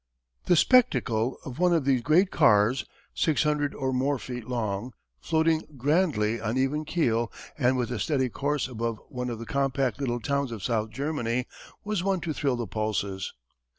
The spectacle of one of these great cars, six hundred or more feet long, floating grandly on even keel and with a steady course above one of the compact little towns of South Germany, was one to thrill the pulses.